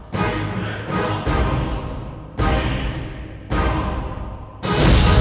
kau pernah menempuhku